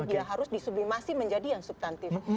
dia harus disublimasi menjadi yang subtantif